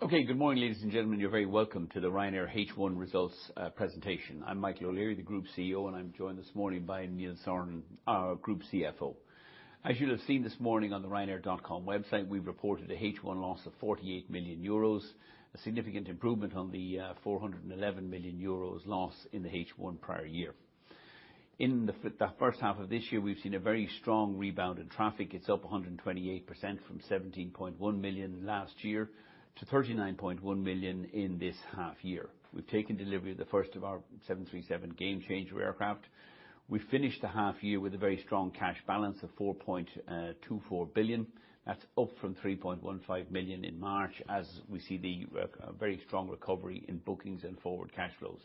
Okay. Good morning, ladies and gentlemen. You're very welcome to the Ryanair H1 results presentation. I'm Michael O'Leary, Group CEO, and I'm joined this morning by Neil Sorahan, our Group CFO. As you'll have seen this morning on the ryanair.com website, we've reported a H1 loss of 48 million euros, a significant improvement on the 411 million euros loss in the H1 prior year. In the first half of this year, we've seen a very strong rebound in traffic. It's up 128% from 17.1 million last year to 39.1 million in this half year. We've taken delivery of the first of our 737 Gamechanger aircraft. We finished the half year with a very strong cash balance of 4.24 billion. That's up from 3.15 billion in March as we see the very strong recovery in bookings and forward cash flows.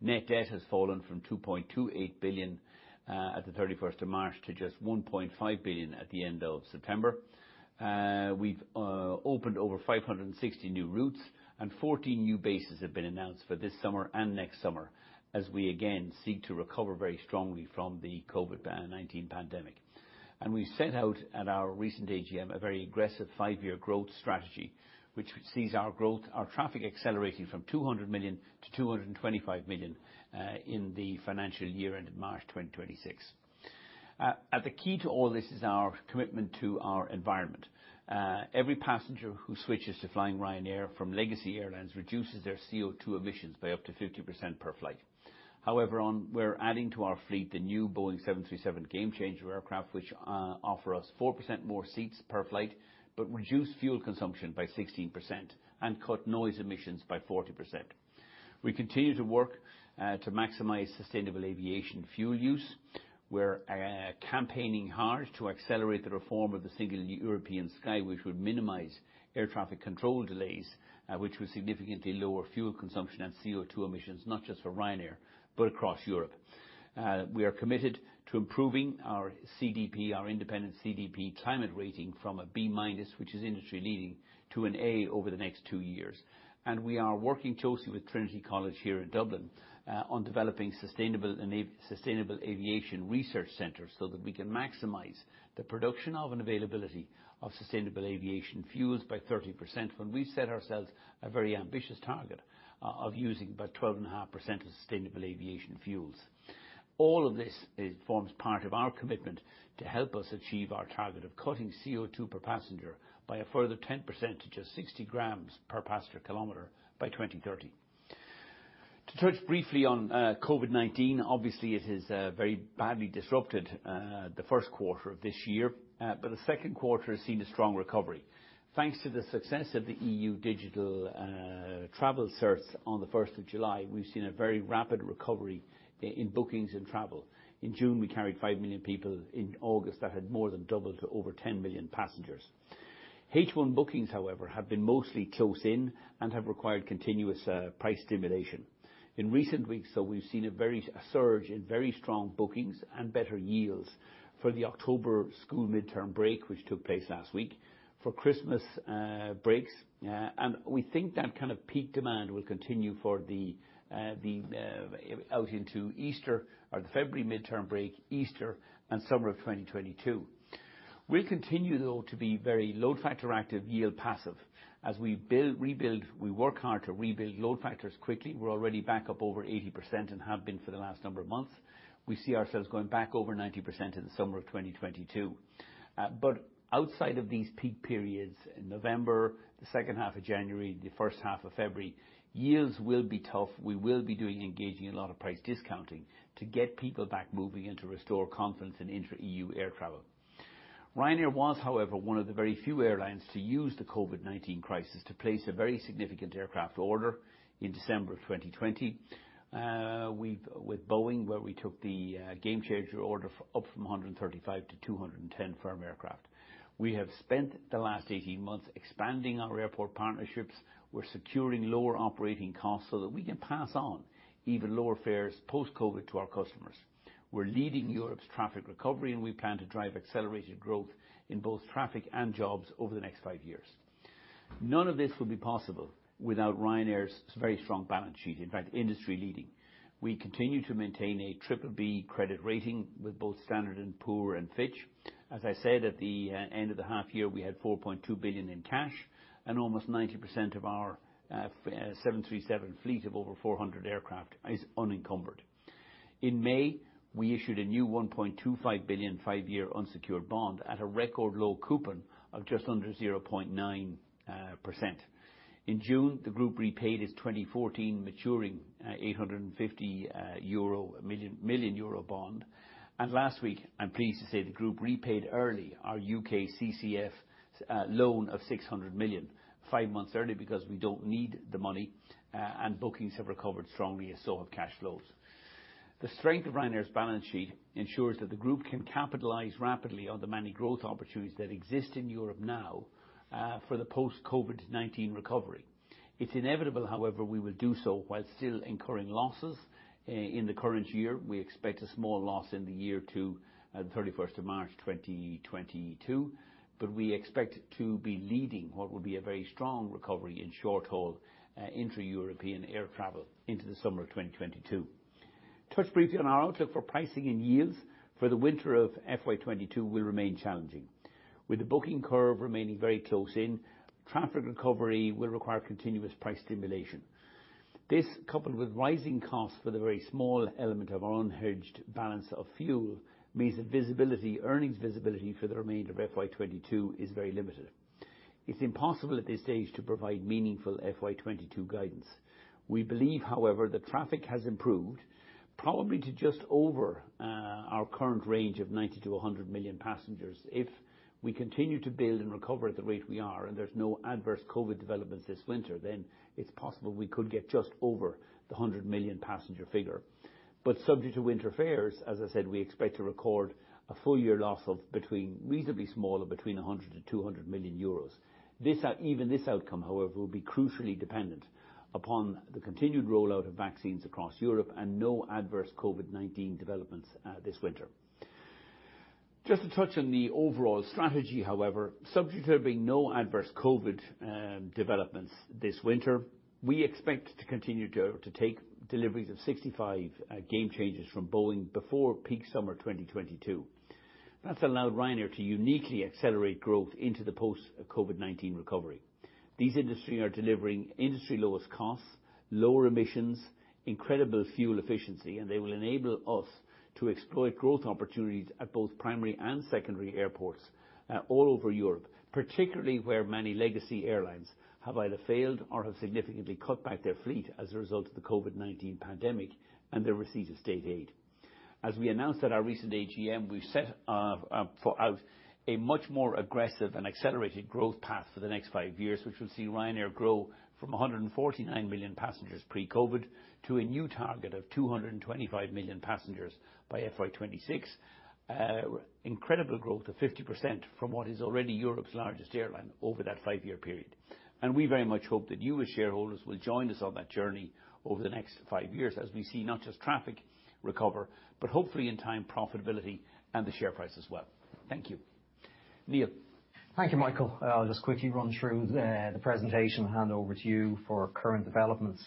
Net debt has fallen from 2.28 billion at the 31st of March to just 1.5 billion at the end of September. We've opened over 560 new routes, and 14 new bases have been announced for this summer and next summer as we again seek to recover very strongly from the COVID-19 pandemic. We set out at our recent AGM a very aggressive five-year growth strategy, which sees our growth, our traffic accelerating from 200 million to 225 million in the financial year end of March 2026. The key to all this is our commitment to our environment. Every passenger who switches to flying Ryanair from legacy airlines reduces their CO2 emissions by up to 50% per flight. However, we're adding to our fleet the new Boeing 737 Gamechanger aircraft, which offer us 4% more seats per flight, but reduce fuel consumption by 16% and cut noise emissions by 40%. We continue to work to maximize sustainable aviation fuel use. We're campaigning hard to accelerate the reform of the Single European Sky, which would minimize air traffic control delays, which would significantly lower fuel consumption and CO2 emissions, not just for Ryanair but across Europe. We are committed to improving our CDP, our independent CDP climate rating from a B-, which is industry-leading, to an A over the next two years. We are working closely with Trinity College Dublin here on developing sustainable aviation research centers so that we can maximize the production of and availability of sustainable aviation fuels by 30% when we set ourselves a very ambitious target of using about 12.5% of sustainable aviation fuels. All of this forms part of our commitment to help us achieve our target of cutting CO2 per passenger by a further 10% to just 60 grams per passenger kilometer by 2030. To touch briefly on COVID-19, obviously, it has very badly disrupted the first quarter of this year, but the second quarter has seen a strong recovery. Thanks to the success of the EU Digital COVID Certificate on July 1, we've seen a very rapid recovery in bookings and travel. In June, we carried 5 million people. In August, that had more than doubled to over 10 million passengers. H1 bookings, however, have been mostly close in and have required continuous price stimulation. In recent weeks, we've seen a surge in very strong bookings and better yields for the October school midterm break, which took place last week, for Christmas breaks. We think that kind of peak demand will continue out into Easter or the February midterm break, Easter, and summer of 2022. We'll continue, though, to be very load factor active, yield passive. As we rebuild, we work hard to rebuild load factors quickly. We're already back up over 80% and have been for the last number of months. We see ourselves going back over 90% in the summer of 2022. Outside of these peak periods in November, the second half of January, the first half of February, yields will be tough. We will be engaging in a lot of price discounting to get people back moving and to restore confidence in intra-EU air travel. Ryanair was, however, one of the very few airlines to use the COVID-19 crisis to place a very significant aircraft order in December 2020 with Boeing, where we took the Gamechanger order up from 135 to 210 firm aircraft. We have spent the last 18 months expanding our airport partnerships. We're securing lower operating costs so that we can pass on even lower fares post-COVID to our customers. We're leading Europe's traffic recovery, and we plan to drive accelerated growth in both traffic and jobs over the next five years. None of this would be possible without Ryanair's very strong balance sheet, in fact, industry-leading. We continue to maintain a BBB credit rating with both Standard & Poor's and Fitch. As I said, at the end of the half year, we had 4.2 billion in cash, and almost 90% of our 737 fleet of over 400 aircraft is unencumbered. In May, we issued a new 1.25 billion five-year unsecured bond at a record low coupon of just under 0.9%. In June, the group repaid its 2014 maturing 850 million-euro bond. Last week, I'm pleased to say the group repaid early our UK CCFF loan of 600 million, five months early because we don't need the money, and bookings have recovered strongly and so have cash flows. The strength of Ryanair's balance sheet ensures that the group can capitalize rapidly on the many growth opportunities that exist in Europe now for the post-COVID-19 recovery. It's inevitable, however, we will do so while still incurring losses. In the current year, we expect a small loss in the year to the 31st of March 2022, but we expect to be leading what would be a very strong recovery in short-haul intra-European air travel into the summer of 2022. I'll touch briefly on our outlook for pricing and yields for the winter of FY 2022. It will remain challenging. With the booking curve remaining very close in, traffic recovery will require continuous price stimulation. This, coupled with rising costs for the very small element of our unhedged balance of fuel, means that visibility, earnings visibility for the remainder of FY 2022 is very limited. It's impossible at this stage to provide meaningful FY 2022 guidance. We believe, however, that traffic has improved, probably to just over our current range of 90-100 million passengers. If we continue to build and recover at the rate we are, and there's no adverse COVID developments this winter, then it's possible we could get just over the 100 million passenger figure. Subject to winter fares, as I said, we expect to record a full year loss of between 100 million-200 million euros, reasonably small. Even this outcome, however, will be crucially dependent upon the continued rollout of vaccines across Europe and no adverse COVID-19 developments this winter. Just to touch on the overall strategy, however. Subject to there being no adverse COVID developments this winter, we expect to continue to take deliveries of 65 Gamechangers from Boeing before peak summer 2022. That's allowed Ryanair to uniquely accelerate growth into the post-COVID-19 recovery. These aircraft are delivering industry-lowest costs, lower emissions, incredible fuel efficiency, and they will enable us to exploit growth opportunities at both primary and secondary airports all over Europe, particularly where many legacy airlines have either failed or have significantly cut back their fleet as a result of the COVID-19 pandemic and the receipt of state aid. As we announced at our recent AGM, we've set out a much more aggressive and accelerated growth path for the next five years, which will see Ryanair grow from 149 million passengers pre-COVID to a new target of 225 million passengers by FY 2026. Incredible growth of 50% from what is already Europe's largest airline over that five-year period. We very much hope that you, as shareholders, will join us on that journey over the next five years as we see not just traffic recover, but hopefully in time, profitability and the share price as well. Thank you. Neil. Thank you, Michael. I'll just quickly run through the presentation and hand over to you for current developments.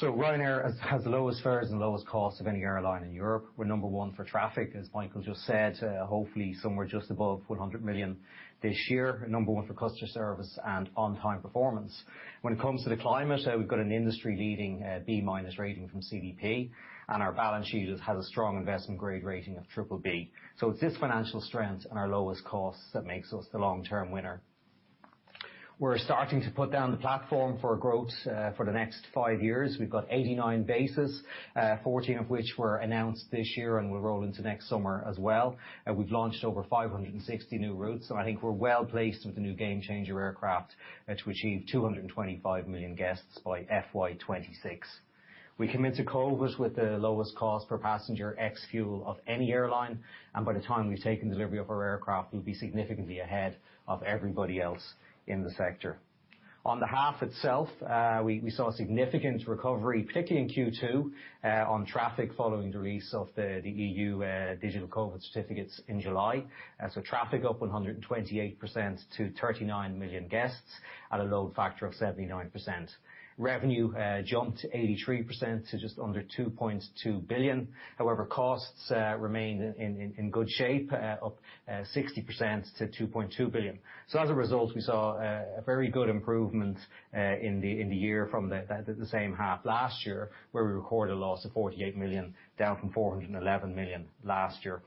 Ryanair has the lowest fares and lowest costs of any airline in Europe. We're number one for traffic, as Michael just said, hopefully somewhere just above 100 million this year, and number one for customer service and on-time performance. When it comes to the climate, we've got an industry-leading B- rating from CDP, and our balance sheet has a strong investment-grade rating of BBB. It's this financial strength and our lowest costs that makes us the long-term winner. We're starting to put down the platform for growth for the next five years. We've got 89 bases, 14 of which were announced this year and will roll into next summer as well. We've launched over 560 new routes, so I think we're well placed with the new Gamechanger aircraft to achieve 225 million guests by FY 2026. We come into COVID with the lowest cost per passenger ex-fuel of any airline, and by the time we've taken delivery of our aircraft, we'll be significantly ahead of everybody else in the sector. On the half itself, we saw significant recovery, particularly in Q2, on traffic following the release of the EU Digital COVID Certificates in July. Traffic up 128% to 39 million guests at a load factor of 79%. Revenue jumped 83% to just under 2.2 billion. However, costs remained in good shape, up 60% to 2.2 billion. As a result, we saw a very good improvement in the year from the same half last year, where we recorded a loss of 48 million, down from 411 million last year.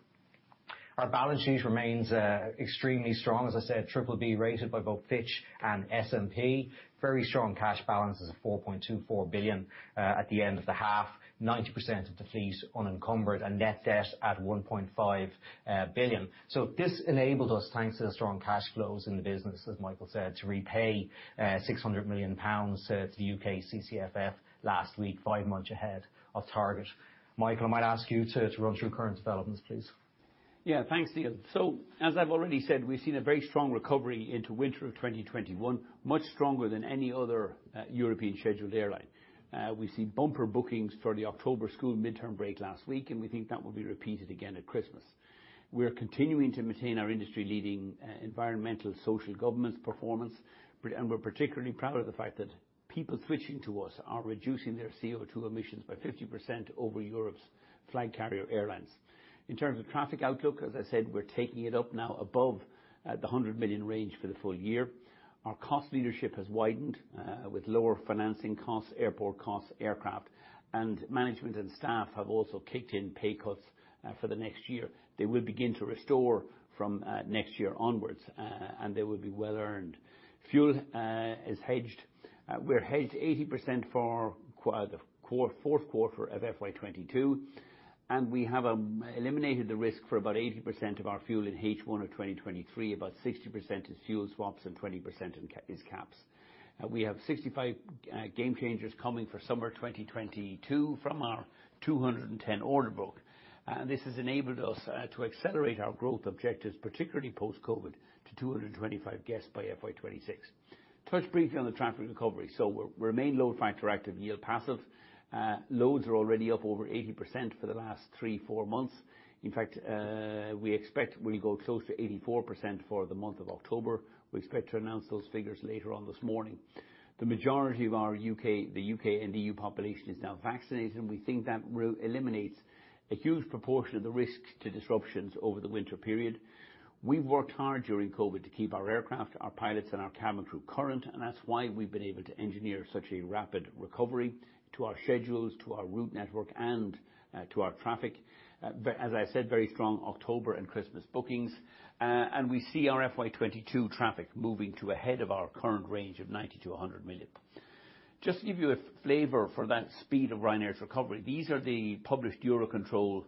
Our balance sheet remains extremely strong. As I said, BBB rated by both Fitch and S&P. Very strong cash balances of 4.24 billion at the end of the half. 90% of the fleet unencumbered, and net debt at 1.5 billion. This enabled us, thanks to the strong cash flows in the business, as Michael said, to repay 600 million pounds to the UK CCFF last week, five months ahead of target. Michael, I might ask you to run through current developments, please. Yeah. Thanks, Neil. As I've already said, we've seen a very strong recovery into winter of 2021, much stronger than any other, European scheduled airline. We've seen bumper bookings for the October school midterm break last week, and we think that will be repeated again at Christmas. We're continuing to maintain our industry-leading environmental social governance performance, and we're particularly proud of the fact that people switching to us are reducing their CO2 emissions by 50% over Europe's flag carrier airlines. In terms of traffic outlook, as I said, we're taking it up now above the 100 million range for the full year. Our cost leadership has widened with lower financing costs, airport costs, aircraft. Management and staff have also kicked in pay cuts for the next year. They will begin to restore from next year onwards, and they will be well earned. Fuel is hedged. We're hedged 80% for the fourth quarter of FY 2022, and we have eliminated the risk for about 80% of our fuel in H1 of 2023. About 60% is fuel swaps and 20% is caps. We have 65 Gamechangers coming for summer 2022 from our 210 order book. This has enabled us to accelerate our growth objectives, particularly post-COVID to 225 guests by FY 2026. Touch briefly on the traffic recovery. We remain load factor active, yield passive. Loads are already up over 80% for the last three to four months. In fact, we expect to go close to 84% for the month of October. We expect to announce those figures later on this morning. The majority of our U.K. and E.U. population is now vaccinated, and we think that eliminates a huge proportion of the risk to disruptions over the winter period. We've worked hard during COVID to keep our aircraft, our pilots and our cabin crew current, and that's why we've been able to engineer such a rapid recovery to our schedules, to our route network and to our traffic. As I said, very strong October and Christmas bookings. We see our FY 2022 traffic moving ahead of our current range of 90-100 million. Just to give you a flavor for that speed of Ryanair's recovery, these are the published Eurocontrol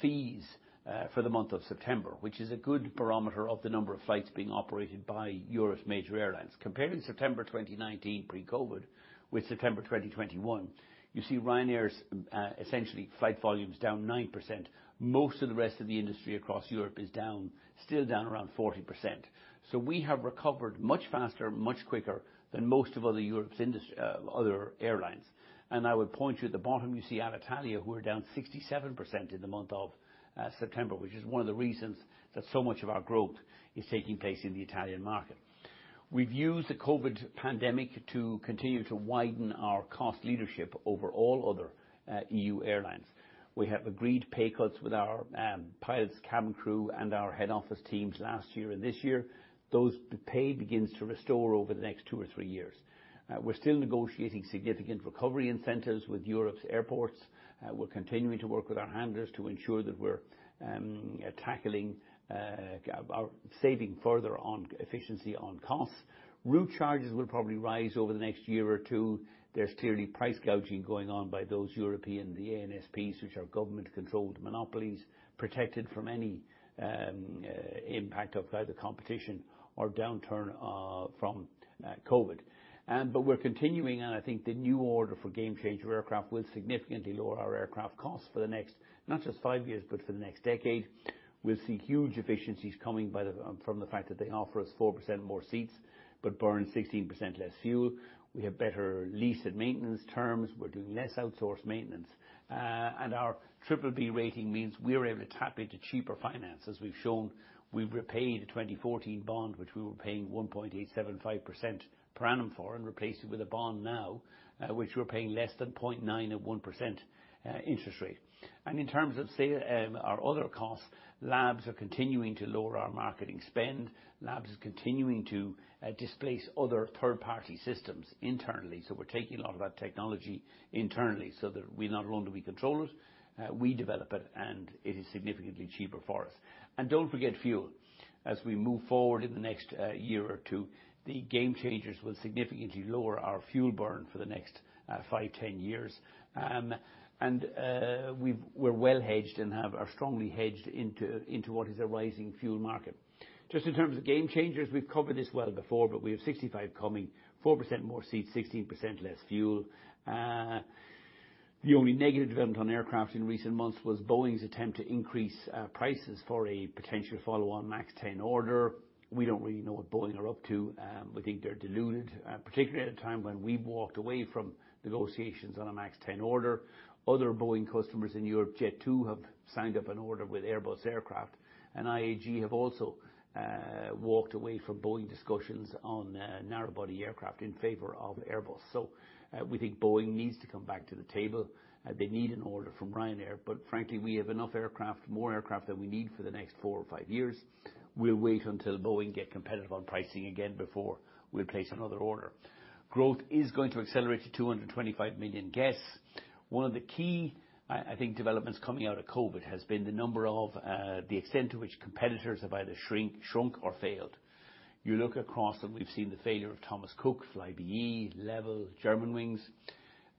fees for the month of September, which is a good barometer of the number of flights being operated by Europe's major airlines. Comparing September 2019 pre-COVID with September 2021, you see Ryanair's essentially flight volume's down 9%. Most of the rest of the industry across Europe is down, still down around 40%. We have recovered much faster, much quicker than most of other Europe's industry, other airlines. I would point you at the bottom, you see Alitalia, who are down 67% in the month of September, which is one of the reasons that so much of our growth is taking place in the Italian market. We've used the COVID pandemic to continue to widen our cost leadership over all other EU airlines. We have agreed pay cuts with our pilots, cabin crew and our head office teams last year and this year. Those pay begins to restore over the next two or three years. We're still negotiating significant recovery incentives with Europe's airports. We're continuing to work with our handlers to ensure that we're tackling saving further on efficiency on costs. Route charges will probably rise over the next year or two. There's clearly price gouging going on by those European ANSPs which are government-controlled monopolies protected from any impact of either competition or downturn from COVID. We're continuing, and I think the new order for Gamechanger aircraft will significantly lower our aircraft costs for the next, not just five years, but for the next decade. We'll see huge efficiencies coming from the fact that they offer us 4% more seats, but burn 16% less fuel. We have better lease and maintenance terms. We're doing less outsourced maintenance. Our BBB rating means we're able to tap into cheaper finance. As we've shown, we've repaid the 2014 bond, which we were paying 1.875% per annum for, and replace it with a bond now, which we're paying less than 0.91% interest rate. In terms of our other costs, Labs are continuing to lower our marketing spend. Labs is continuing to displace other third-party systems internally. We're taking a lot of that technology internally, so that we not only control it, we develop it, and it is significantly cheaper for us. Don't forget fuel. As we move forward in the next year or two, the game changers will significantly lower our fuel burn for the next five, 10 years. We're well hedged and are strongly hedged into what is a rising fuel market. Just in terms of game changers, we've covered this well before, but we have 65 coming, 4% more seats, 16% less fuel. The only negative development on aircraft in recent months was Boeing's attempt to increase prices for a potential follow-on MAX 10 order. We don't really know what Boeing are up to. We think they're deluded, particularly at a time when we've walked away from negotiations on a MAX 10 order. Other Boeing customers in Europe, Jet2, have signed up an order with Airbus aircraft, and IAG have also walked away from Boeing discussions on narrow-body aircraft in favor of Airbus. We think Boeing needs to come back to the table. They need an order from Ryanair, but frankly, we have enough aircraft, more aircraft than we need for the next four or five years. We'll wait until Boeing get competitive on pricing again before we place another order. Growth is going to accelerate to 225 million guests. One of the key developments, I think, coming out of COVID has been the extent to which competitors have either shrunk or failed. You look across. We've seen the failure of Thomas Cook, Flybe, Level, Germanwings.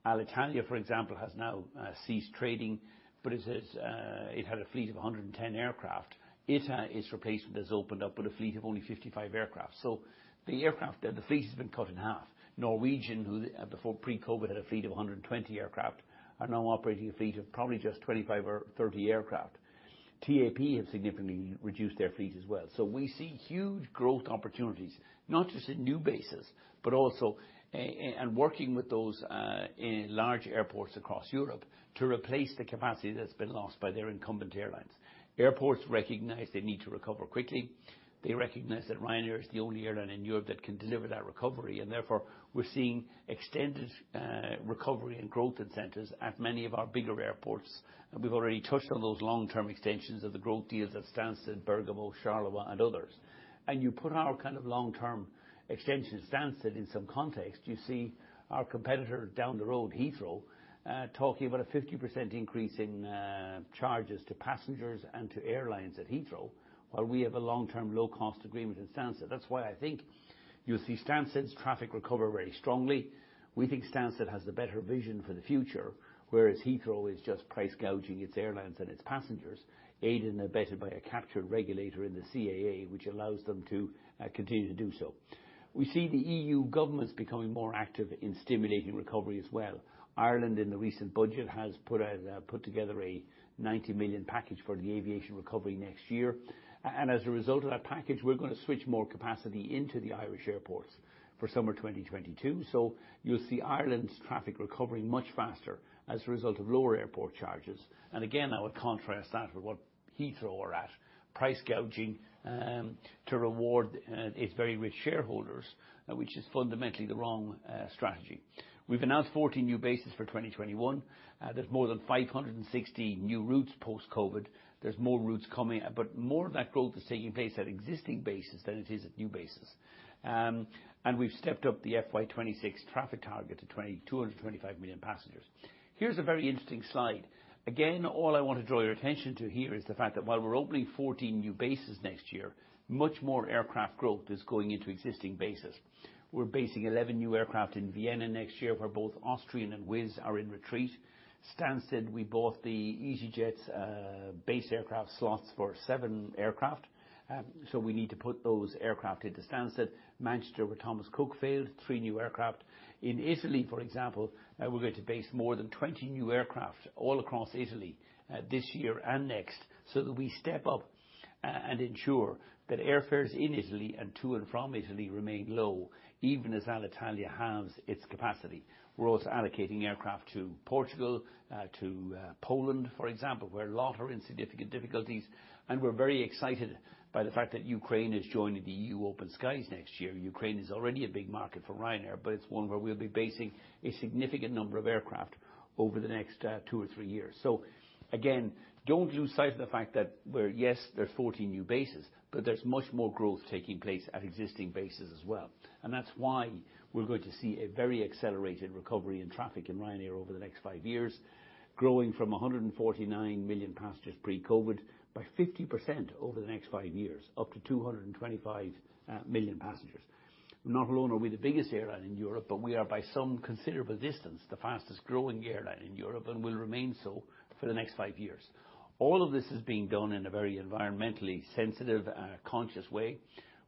Alitalia, for example, has now ceased trading, but it had a fleet of 110 aircraft. ITA, its replacement, has opened up with a fleet of only 55 aircraft. The aircraft, the fleet has been cut in half. Norwegian who before pre-COVID had a fleet of 120 aircraft are now operating a fleet of probably just 25 or 30 aircraft. TAP have significantly reduced their fleet as well. We see huge growth opportunities, not just in new bases, but also and working with those in large airports across Europe to replace the capacity that's been lost by their incumbent airlines. Airports recognize they need to recover quickly. They recognize that Ryanair is the only airline in Europe that can deliver that recovery. Therefore, we're seeing extended recovery and growth incentives at many of our bigger airports. We've already touched on those long-term extensions of the growth deals at Stansted, Bergamo, Charleroi and others. You put our kind of long-term extension at Stansted in some context. You see our competitor down the road, Heathrow, talking about a 50% increase in charges to passengers and to airlines at Heathrow, while we have a long-term low-cost agreement at Stansted. That's why I think you'll see Stansted's traffic recover very strongly. We think Stansted has the better vision for the future, whereas Heathrow is just price gouging its airlines and its passengers, aided and abetted by a captured regulator in the CAA, which allows them to continue to do so. We see the EU governments becoming more active in stimulating recovery as well. Ireland, in the recent budget, has put together a 90 million package for the aviation recovery next year. As a result of that package, we're gonna switch more capacity into the Irish airports for summer 2022. You'll see Ireland's traffic recovering much faster as a result of lower airport charges. I would contrast that with what Heathrow are at price gouging to reward its very rich shareholders, which is fundamentally the wrong strategy. We've announced 14 new bases for 2021. There's more than 560 new routes post-COVID. There's more routes coming, but more of that growth is taking place at existing bases than it is at new bases. We've stepped up the FY 2026 traffic target to 225 million passengers. Here's a very interesting slide. Again, all I want to draw your attention to here is the fact that while we're opening 14 new bases next year, much more aircraft growth is going into existing bases. We're basing 11 new aircraft in Vienna next year, where both Austrian Airlines and Wizz Air are in retreat. Stansted, we bought the EasyJet base aircraft slots for seven aircraft. So we need to put those aircraft into Stansted, Manchester, where Thomas Cook failed, three new aircraft. In Italy, for example, we're going to base more than 20 new aircraft all across Italy this year and next, so that we step up and ensure that airfares in Italy and to and from Italy remain low even as Alitalia halves its capacity. We're also allocating aircraft to Portugal, to Poland, for example, where LOT are in significant difficulties. We're very excited by the fact that Ukraine is joining the EU Open Skies next year. Ukraine is already a big market for Ryanair, but it's one where we'll be basing a significant number of aircraft over the next two or three years. Again, don't lose sight of the fact that yes, there's 14 new bases, but there's much more growth taking place at existing bases as well. That's why we're going to see a very accelerated recovery in traffic in Ryanair over the next five years, growing from 149 million passengers pre-COVID by 50% over the next five years, up to 225 million passengers. Not alone are we the biggest airline in Europe, but we are by some considerable distance the fastest-growing airline in Europe, and will remain so for the next five years. All of this is being done in a very environmentally sensitive, conscious way.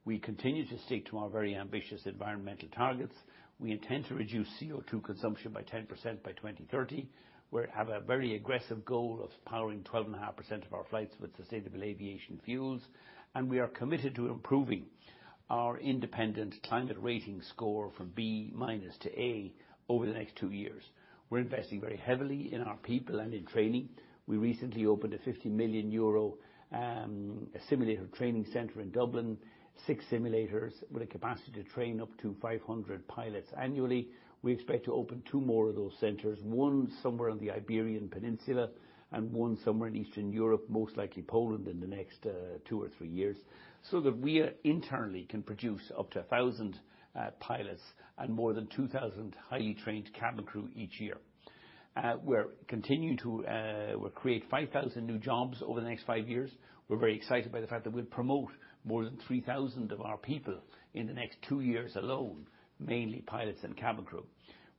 We continue to stick to our very ambitious environmental targets. We intend to reduce CO2 consumption by 10% by 2030. We have a very aggressive goal of powering 12.5% of our flights with sustainable aviation fuels, and we are committed to improving our independent climate rating score from B- to A over the next two years. We're investing very heavily in our people and in training. We recently opened a 50 million euro simulator training center in Dublin. Six simulators with a capacity to train up to 500 pilots annually. We expect to open two more of those centers, one somewhere in the Iberian Peninsula and one somewhere in Eastern Europe, most likely Poland, in the next two or three years, so that we internally can produce up to 1,000 pilots and more than 2,000 highly trained cabin crew each year. We'll create 5,000 new jobs over the next five years. We're very excited by the fact that we'll promote more than 3,000 of our people in the next two years alone, mainly pilots and cabin crew.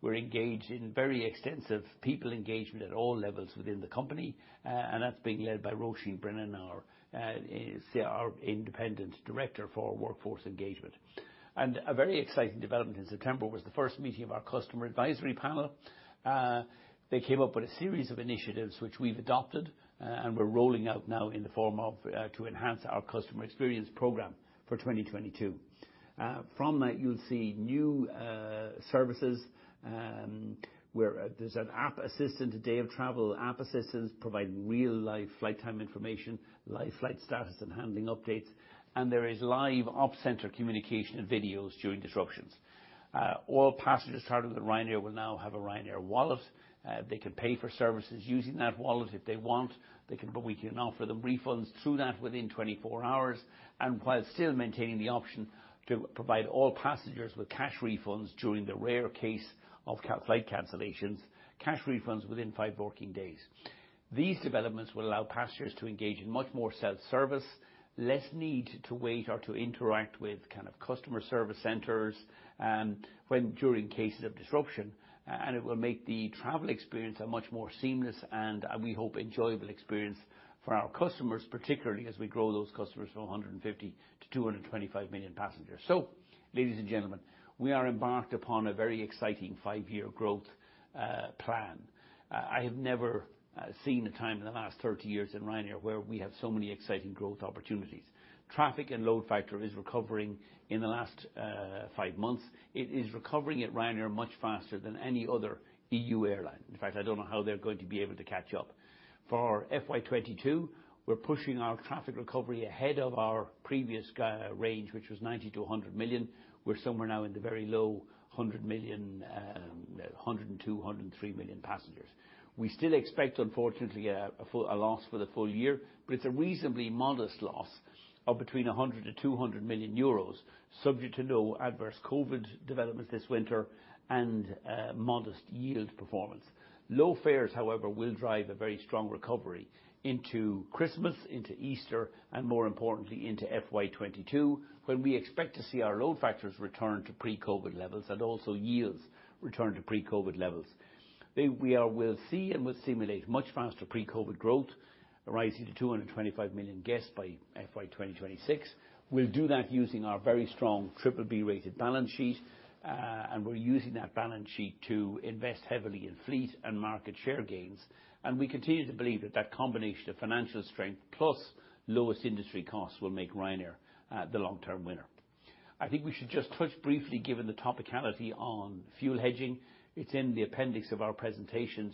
We're engaged in very extensive people engagement at all levels within the company, and that's being led by Róisín Brennan, our Independent Director for workforce engagement. A very exciting development in September was the first meeting of our customer advisory panel. They came up with a series of initiatives which we've adopted and we're rolling out now in the form of to enhance our customer experience program for 2022. From that you'll see new services where there's an app assistant, a day-of-travel app assistant providing real-time live flight time information, live flight status and handling updates. There is live ops center communication and videos during disruptions. All passengers traveling with Ryanair will now have a Ryanair Wallet. They can pay for services using that wallet if they want. They can, but we can offer them refunds through that within 24 hours, and while still maintaining the option to provide all passengers with cash refunds during the rare case of flight cancellations, cash refunds within five working days. These developments will allow passengers to engage in much more self-service, less need to wait or to interact with kind of customer service centers, when during cases of disruption. It will make the travel experience a much more seamless and, we hope, enjoyable experience for our customers, particularly as we grow those customers from 150 to 225 million passengers. Ladies and gentlemen, we are embarked upon a very exciting five-year growth plan. I have never seen a time in the last 30 years in Ryanair where we have so many exciting growth opportunities. Traffic and load factor is recovering in the last five months. It is recovering at Ryanair much faster than any other EU airline. In fact, I don't know how they're going to be able to catch up. For FY 2022, we're pushing our traffic recovery ahead of our previous guidance range, which was 90-100 million. We're somewhere now in the very low 100 million, 102-103 million passengers. We still expect, unfortunately, a full loss for the full year, but it's a reasonably modest loss of between 100 million and 200 million euros, subject to no adverse COVID developments this winter and modest yield performance. Low fares, however, will drive a very strong recovery into Christmas, into Easter and more importantly, into FY 2022, when we expect to see our load factors return to pre-COVID levels and also yields return to pre-COVID levels. We'll see and will stimulate much faster pre-COVID growth rising to 225 million guests by FY 2026. We'll do that using our very strong BBB-rated balance sheet. We're using that balance sheet to invest heavily in fleet and market share gains. We continue to believe that combination of financial strength plus lowest industry costs will make Ryanair the long-term winner. I think we should just touch briefly, given the topicality on fuel hedging. It's in the appendix of our presentation.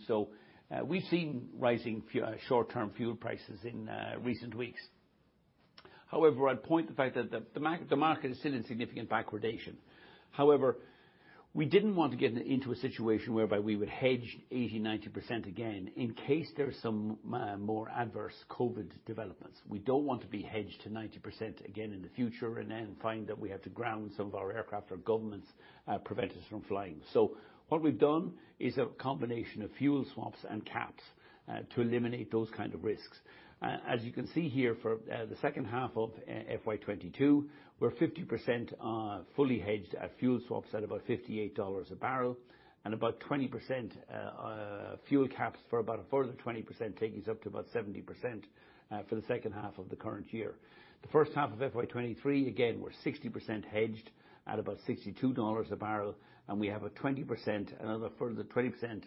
We've seen rising short-term fuel prices in recent weeks. However, I'd point to the fact that the market is still in significant backwardation. However, we didn't want to get into a situation whereby we would hedge 80%-90% again in case there's some more adverse COVID developments. We don't want to be hedged to 90% again in the future and then find that we have to ground some of our aircraft or governments prevent us from flying. What we've done is a combination of fuel swaps and caps to eliminate those kind of risks. As you can see here, for the second half of FY 2022, we're 50% fully hedged at fuel swaps at about $58 a barrel and about 20% fuel caps for about a further 20%, taking us up to about 70% for the second half of the current year. The first half of FY 2023, again, we're 60% hedged at about $62 a barrel, and we have a 20% another further 20%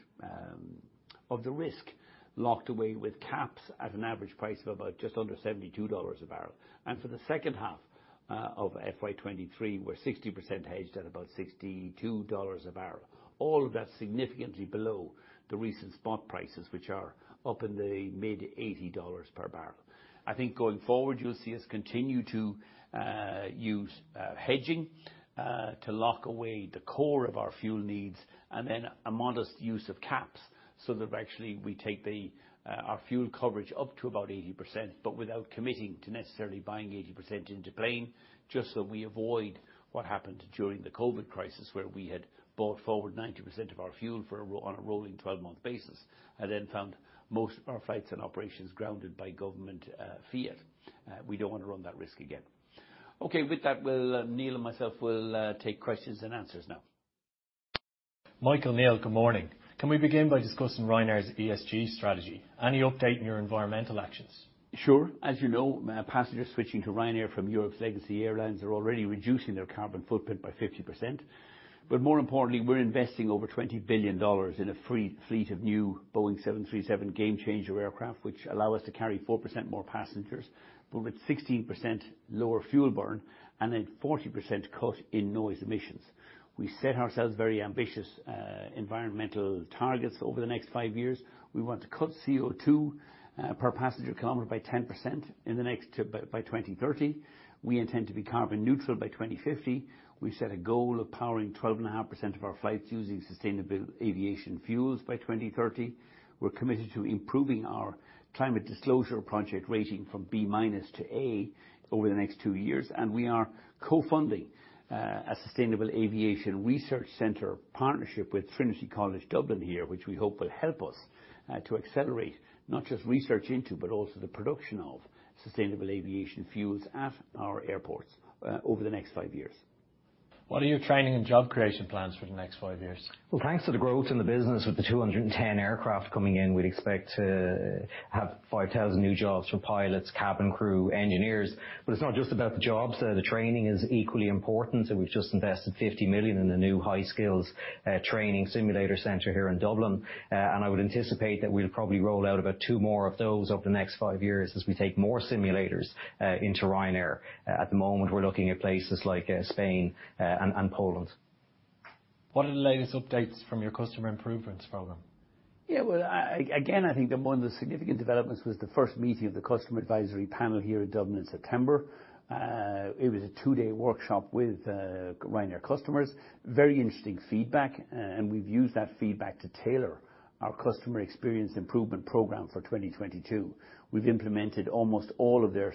of the risk locked away with caps at an average price of about just under $72 a barrel. For the second half of FY 2023, we're 60% hedged at about $62 a barrel. All of that's significantly below the recent spot prices, which are up in the mid-$80 per barrel. I think going forward, you'll see us continue to use hedging to lock away the core of our fuel needs and then a modest use of caps, so that actually we take our fuel coverage up to about 80%, but without committing to necessarily buying 80% in the plan, just so we avoid what happened during the COVID crisis, where we had bought forward 90% of our fuel on a rolling 12-month basis, and then found most of our flights and operations grounded by government fiat. We don't wanna run that risk again. Okay, with that, Neil and myself will take questions and answers now. Michael, Neil, good morning. Can we begin by discussing Ryanair's ESG strategy? Any update on your environmental actions? Sure. As you know, passengers switching to Ryanair from Europe's legacy airlines are already reducing their carbon footprint by 50%, but more importantly, we're investing over $20 billion in a fleet of new Boeing 737 Gamechanger aircraft, which allow us to carry 4% more passengers but with 16% lower fuel burn and a 40% cut in noise emissions. We set ourselves very ambitious environmental targets over the next five years. We want to cut CO2 per passenger kilometer by 10% by 2030. We intend to be carbon neutral by 2050. We set a goal of powering 12.5% of our flights using sustainable aviation fuels by 2030. We're committed to improving our climate disclosure project rating from B- to A over the next two years, and we are co-funding a sustainable aviation research center partnership with Trinity College Dublin here, which we hope will help us to accelerate, not just research into but also the production of sustainable aviation fuels at our airports over the next five years. What are your training and job creation plans for the next five years? Well, thanks to the growth in the business with the 210 aircraft coming in, we'd expect to have 5,000 new jobs for pilots, cabin crew, and engineers. It's not just about the jobs. The training is equally important, and we've just invested 50 million in the new high skills training simulator center here in Dublin. I would anticipate that we'll probably roll out about two more of those over the next five years as we take more simulators into Ryanair. At the moment, we're looking at places like Spain and Poland. What are the latest updates from your customer improvements program? Yeah. Well, again, I think that one of the significant developments was the first meeting of the customer advisory panel here in Dublin in September. It was a two-day workshop with Ryanair customers. Very interesting feedback. We've used that feedback to tailor our customer experience improvement program for 2022. We've implemented almost all of their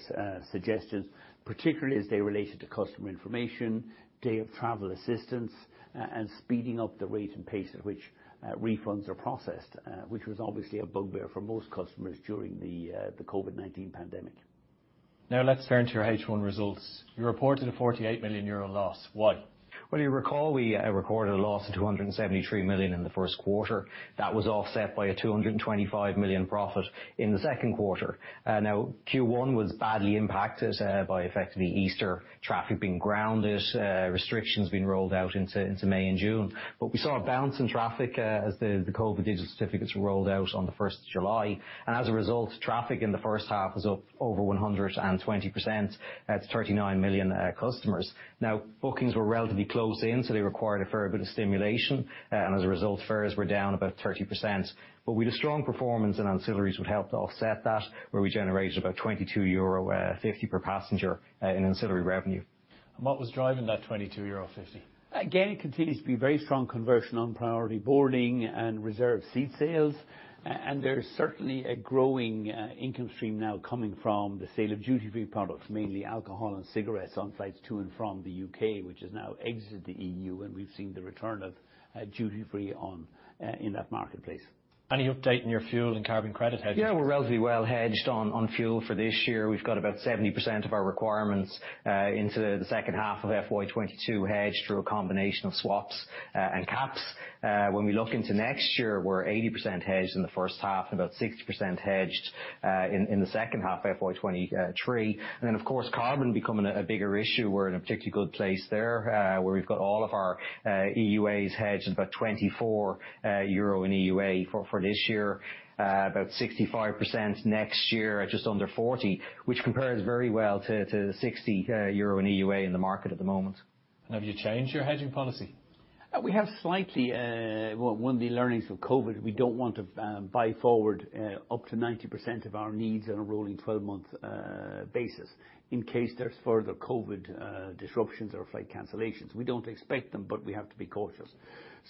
suggestions, particularly as they related to customer information, day of travel assistance, and speeding up the rate and pace at which refunds are processed, which was obviously a bugbear for most customers during the COVID-19 pandemic. Now let's turn to your H1 results. You reported a 48 million euro loss. Why? Well, you recall we recorded a loss of 273 million in the first quarter. That was offset by a 225 million profit in the second quarter. Now Q1 was badly impacted by effectively Easter traffic being grounded, restrictions being rolled out into May and June. We saw a bounce in traffic as the COVID Digital Certificates were rolled out on the first of July. As a result, traffic in the first half was up over 120% at 39 million customers. Now, bookings were relatively close in, so they required a fair bit of stimulation. As a result, fares were down about 30%. With a strong performance in ancillaries would help to offset that, where we generated about 22.50 euro per passenger in ancillary revenue. What was driving that 22.50 euro? Again, it continues to be very strong conversion on priority boarding and reserved seat sales. And there's certainly a growing income stream now coming from the sale of duty-free products, mainly alcohol and cigarettes on flights to and from the U.K., which has now exited the EU., and we've seen the return of duty-free in that marketplace. Any update on your fuel and carbon credit hedging? Yeah. We're relatively well hedged on fuel for this year. We've got about 70% of our requirements into the second half of FY 2022 hedged through a combination of swaps and caps. When we look into next year, we're 80% hedged in the first half and about 60% hedged in the second half, FY 2023. Of course, carbon becoming a bigger issue. We're in a particularly good place there, where we've got all of our EUAs hedged at about 24 euro per EUA for this year, about 65% next year at just under 40, which compares very well to 60 euro per EUA in the market at the moment. Have you changed your hedging policy? Well, one of the learnings from COVID, we don't want to buy forward up to 90% of our needs on a rolling 12-month basis in case there's further COVID disruptions or flight cancellations. We don't expect them, but we have to be cautious.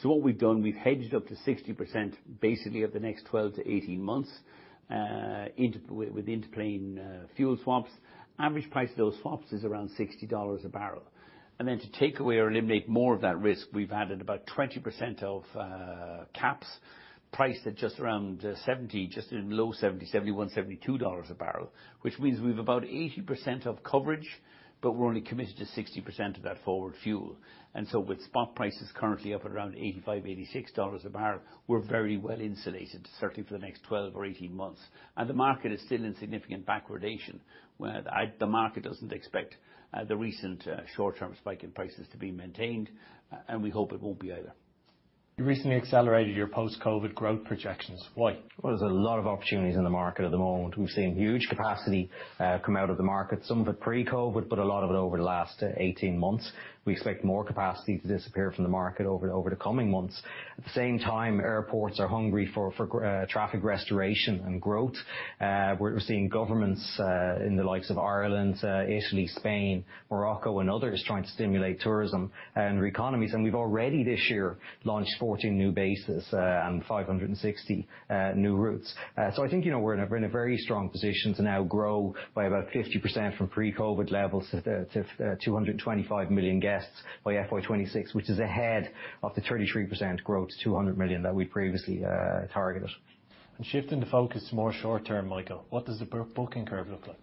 What we've done, we've hedged up to 60% basically over the next 12 to 18 months with interplane fuel swaps. Average price of those swaps is around $60 a barrel. To take away or eliminate more of that risk, we've added about 20% of caps priced at just around 70, just in low 70, 71, 72 dollars a barrel, which means we've about 80% of coverage, but we're only committed to 60% of that forward fuel. With spot prices currently up at around $85-$86 a barrel, we're very well insulated, certainly for the next 12 or 18 months. The market is still in significant backwardation, where the market doesn't expect the recent short-term spike in prices to be maintained, and we hope it won't be either. You recently accelerated your post-COVID growth projections. Why? Well, there's a lot of opportunities in the market at the moment. We've seen huge capacity come out of the market, some of it pre-COVID, but a lot of it over the last 18 months. We expect more capacity to disappear from the market over the coming months. At the same time, airports are hungry for traffic restoration and growth. We're seeing governments in the likes of Ireland, Italy, Spain, Morocco, and others trying to stimulate tourism and their economies, and we've already this year launched 14 new bases and 560 new routes. I think, you know, we're in a very strong position to now grow by about 50% from pre-COVID levels to 225 million guests by FY 2026, which is ahead of the 33% growth to 200 million that we'd previously targeted. Shifting the focus more short term, Michael, what does the booking curve look like?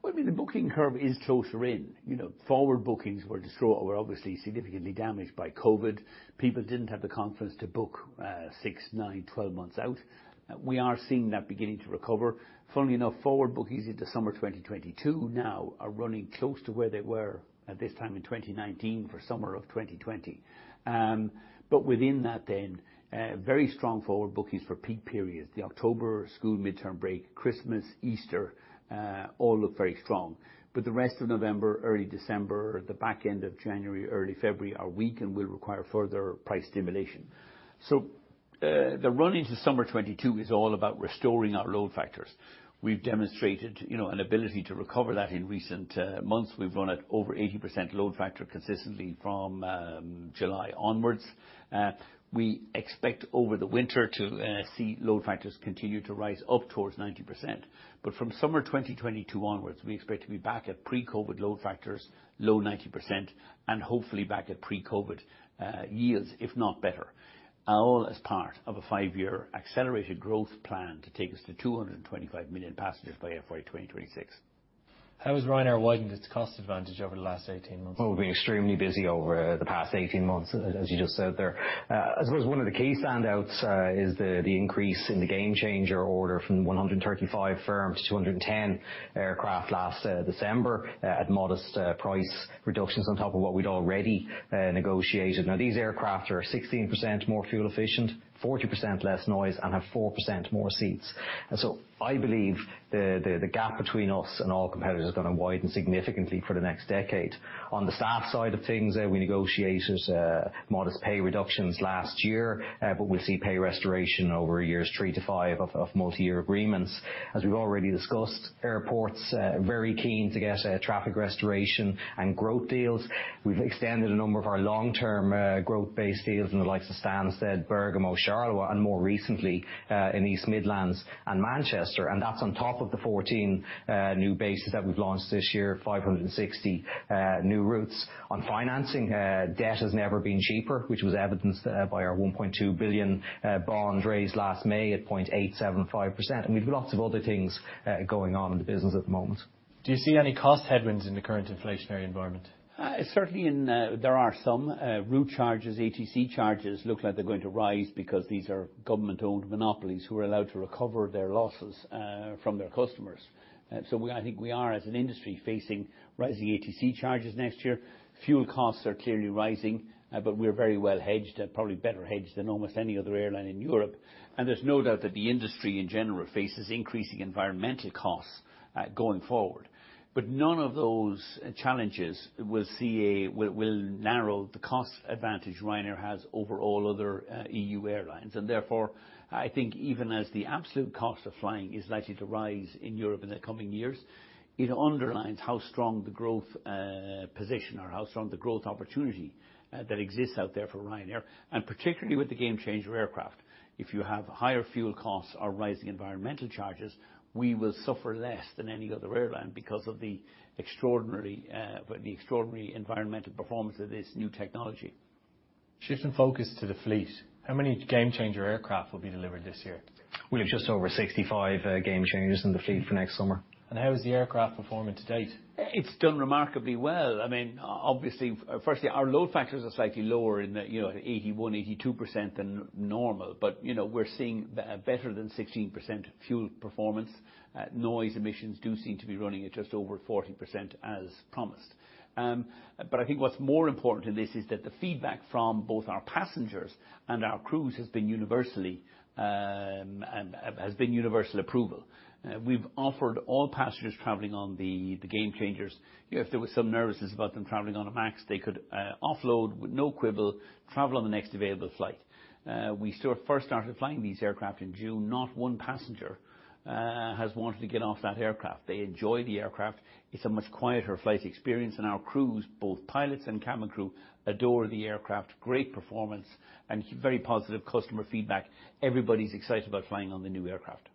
Well, I mean, the booking curve is closer in. You know, forward bookings were destroyed or were obviously significantly damaged by COVID. People didn't have the confidence to book six, nine, 12 months out. We are seeing that beginning to recover. Funnily enough, forward bookings into summer 2022 now are running close to where they were at this time in 2019 for summer of 2020. But within that then, very strong forward bookings for peak periods. The October school midterm break, Christmas, Easter, all look very strong. But the rest of November, early December, the back end of January, early February are weak and will require further price stimulation. So, the run into summer 2022 is all about restoring our load factors. We've demonstrated, you know, an ability to recover that in recent months. We've run at over 80% load factor consistently from July onwards. We expect over the winter to see load factors continue to rise up towards 90%. From summer 2022 onwards, we expect to be back at pre-COVID load factors, low 90%, and hopefully back at pre-COVID yields, if not better, all as part of a five-year accelerated growth plan to take us to 225 million passengers by FY 2026. How has Ryanair widened its cost advantage over the last 18 months? Well we've been extremely busy over the past 18 months, as you just said there. I suppose one of the key standouts is the increase in the Gamechanger order from 135 firm to 210 aircraft last December, at modest price reductions on top of what we'd already negotiated. Now, these aircraft are 16% more fuel efficient, 40% less noise, and have 4% more seats. I believe the gap between us and all competitors is gonna widen significantly for the next decade. On the staff side of things, we negotiated modest pay reductions last year, but we'll see pay restoration over years three to five of multi-year agreements. As we've already discussed, airports very keen to get traffic restoration and growth deals. We've extended a number of our long-term, growth-based deals in the likes of Stansted, Bergamo, Charleroi, and more recently, in East Midlands and Manchester, and that's on top of the 14 new bases that we've launched this year, 560 new routes. On financing, debt has never been cheaper, which was evidenced by our 1.2 billion bond raised last May at 0.875%, and we've lots of other things going on in the business at the moment. Do you see any cost headwinds in the current inflationary environment? Certainly there are some. Route charges, ATC charges look like they're going to rise because these are government-owned monopolies who are allowed to recover their losses from their customers. I think we are, as an industry, facing rising ATC charges next year. Fuel costs are clearly rising. We're very well hedged, probably better hedged than almost any other airline in Europe. There's no doubt that the industry in general faces increasing environmental costs going forward. None of those challenges will narrow the cost advantage Ryanair has over all other EU airlines. Therefore, I think even as the absolute cost of flying is likely to rise in Europe in the coming years, it underlines how strong the growth position or how strong the growth opportunity that exists out there for Ryanair. Particularly with the Gamechanger aircraft, if you have higher fuel costs or rising environmental charges, we will suffer less than any other airline because of the extraordinary environmental performance of this new technology. Shifting focus to the fleet, how many Gamechanger aircraft will be delivered this year? We have just over 65 Gamechangers in the fleet for next summer. How is the aircraft performing to date? It's done remarkably well. I mean, obviously, firstly, our load factors are slightly lower in the, you know, 81%-82% than normal. You know, we're seeing better than 16% fuel performance. Noise emissions do seem to be running at just over 40% as promised. I think what's more important in this is that the feedback from both our passengers and our crews has been universally and has been universal approval. We've offered all passengers traveling on the Gamechangers, you know, if there was some nervousness about them traveling on a MAX, they could offload with no quibble, travel on the next available flight. We sort of first started flying these aircraft in June. Not one passenger has wanted to get off that aircraft. They enjoy the aircraft. It's a much quieter flight experience, and our crews, both pilots and cabin crew, adore the aircraft. Great performance and very positive customer feedback. Everybody's excited about flying on the new aircraft.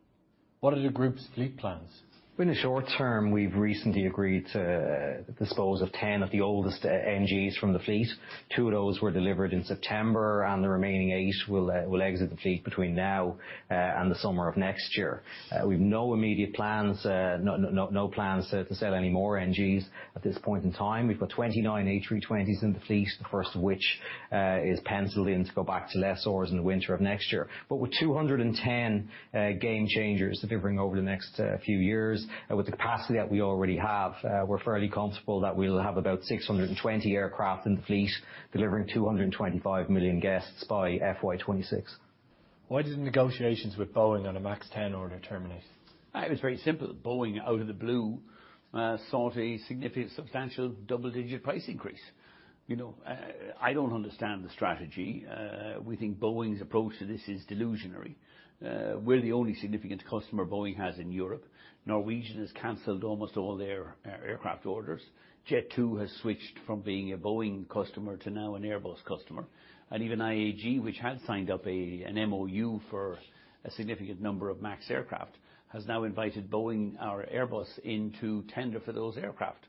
What are the group's fleet plans? In the short term, we've recently agreed to dispose of 10 of the oldest 737NG from the fleet. Two of those were delivered in September, and the remaining eight will exit the fleet between now and the summer of next year. We've no immediate plans, no plans to sell any more 737NG at this point in time. We've got 29 A320s in the fleet, the first of which is penciled in to go back to lessors in the winter of next year. With 210 Gamechangers delivering over the next few years, and with the capacity that we already have, we're fairly comfortable that we'll have about 620 aircraft in the fleet delivering 225 million guests by FY 2026. Why did negotiations with Boeing on a MAX 10 order terminate? It was very simple. Boeing, out of the blue, sought a significant substantial double-digit price increase. You know, I don't understand the strategy. We think Boeing's approach to this is delusional. We're the only significant customer Boeing has in Europe. Norwegian has canceled almost all their aircraft orders. Jet2 has switched from being a Boeing customer to now an Airbus customer. Even IAG, which had signed up an MOU for a significant number of MAX aircraft, has now invited Boeing or Airbus in to tender for those aircraft.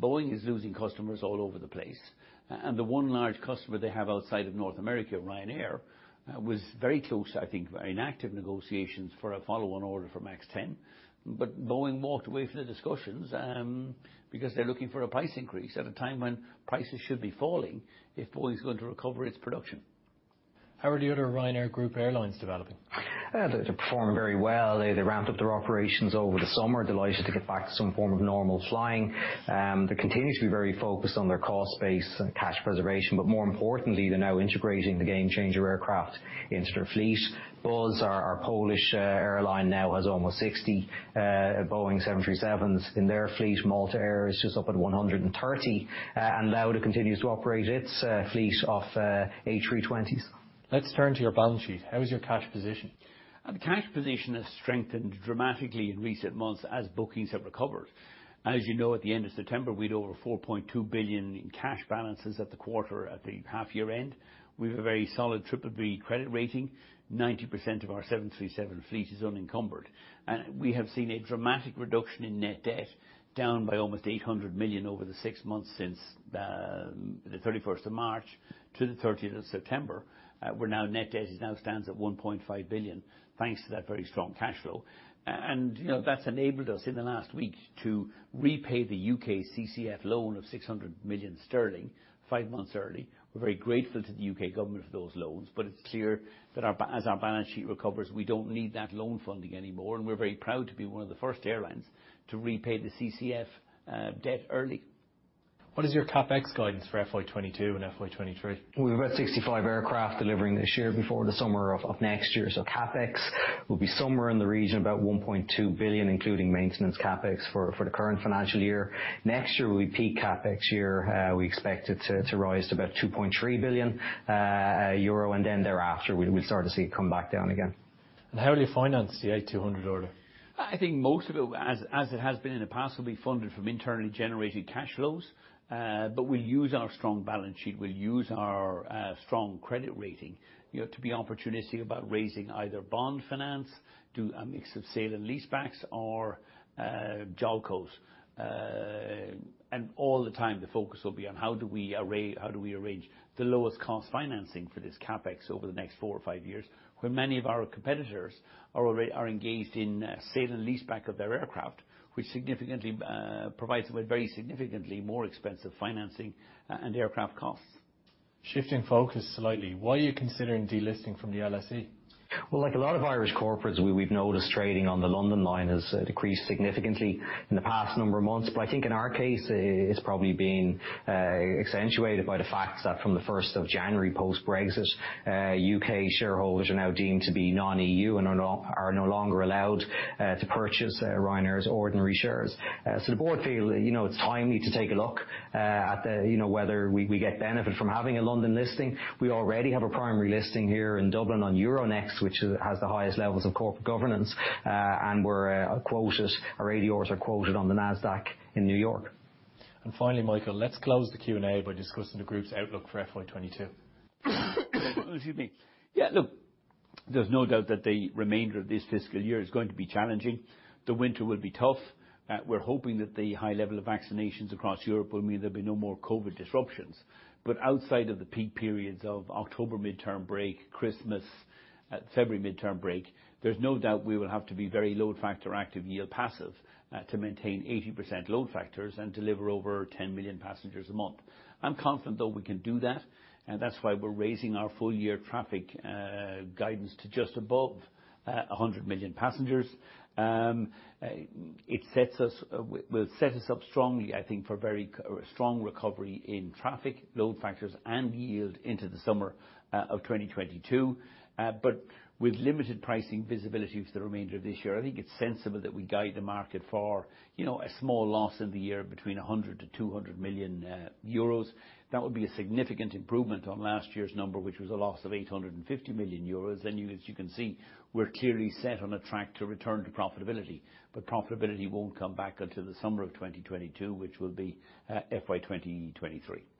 Boeing is losing customers all over the place. The one large customer they have outside of North America, Ryanair, was very close, I think, very active negotiations for a follow-on order for MAX 10. Boeing walked away from the discussions, because they're looking for a price increase at a time when prices should be falling if Boeing's going to recover its production. How are the other Ryanair Group airlines developing? They're performing very well. They ramped up their operations over the summer. Delighted to get back to some form of normal flying. They continue to be very focused on their cost base and cash preservation. More importantly, they're now integrating the Gamechanger aircraft into their fleet. Buzz, our Polish airline now has almost 60 Boeing 737s in their fleet. Malta Air is just up at 130. Lauda continues to operate its fleet of A320s. Let's turn to your balance sheet. How is your cash position? Our cash position has strengthened dramatically in recent months as bookings have recovered. As you know, at the end of September, we had over 4.2 billion in cash balances at the quarter, at the half-year end. We have a very solid BBB credit rating. 90% of our 737 fleet is unencumbered. We have seen a dramatic reduction in net debt, down by almost 800 million over the six months since the 31st of March to the 30th of September. Net debt now stands at 1.5 billion thanks to that very strong cash flow. You know, that's enabled us in the last week to repay the UK CCFF loan of 600 million sterling five months early. We're very grateful to the U.K. government for those loans, but it's clear that as our balance sheet recovers, we don't need that loan funding anymore, and we're very proud to be one of the first airlines to repay the CCFF debt early. What is your CapEx guidance for FY 2022 and FY 2023? We've about 65 aircraft delivering this year before the summer of next year. CapEx will be somewhere in the region about 1.2 billion, including maintenance CapEx for the current financial year. Next year will be peak CapEx year. We expect it to rise to about 2.3 billion euro. Thereafter we'll start to see it come back down again. How will you finance the 210 order? I think most of it, as it has been in the past, will be funded from internally-generated cash flows. We'll use our strong balance sheet, we'll use our strong credit rating, you know, to be opportunistic about raising either bond finance to a mix of sale and leasebacks or JOLCOs. All the time the focus will be on how do we arrange the lowest cost financing for this CapEx over the next four or five years, where many of our competitors are engaged in sale and leaseback of their aircraft, which significantly provides them with very significantly more expensive financing and aircraft costs. Shifting focus slightly, why are you considering delisting from the LSE? Well, like a lot of Irish corporates, we've noticed trading on the LSE has decreased significantly in the past number of months. I think in our case, it's probably been accentuated by the fact that from the 1st of January post-Brexit, U.K. shareholders are now deemed to be non-EU and are no longer allowed to purchase Ryanair's ordinary shares. So the board feel, you know, it's timely to take a look, you know, at whether we get benefit from having a London listing. We already have a primary listing here in Dublin on Euronext, which has the highest levels of corporate governance. Our ADRs are quoted on the NASDAQ in New York. Finally, Michael, let's close the Q&A by discussing the group's outlook for FY 2022. Excuse me. Yeah, look, there's no doubt that the remainder of this fiscal year is going to be challenging. The winter will be tough. We're hoping that the high level of vaccinations across Europe will mean there'll be no more COVID disruptions. Outside of the peak periods of October midterm break, Christmas, February midterm break, there's no doubt we will have to be very load factor active, yield passive, to maintain 80% load factors and deliver over 10 million passengers a month. I'm confident though we can do that, and that's why we're raising our full year traffic guidance to just above 100 million passengers. It will set us up strongly, I think, for a strong recovery in traffic load factors and yield into the summer of 2022. With limited pricing visibility for the remainder of this year, I think it's sensible that we guide the market for, you know, a small loss in the year between 100 million-200 million euros. That would be a significant improvement on last year's number, which was a loss of 850 million euros. You, as you can see, we're clearly set on a track to return to profitability. Profitability won't come back until the summer of 2022, which will be FY 2023.